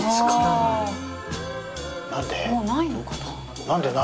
もうないのかな？